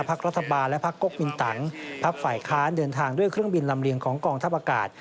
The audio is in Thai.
พักรัฐบาลและพักก๊กมินตังพักฝ่ายค้านเดินทางด้วยเครื่องบินลำเลียงของกองทัพอากาศ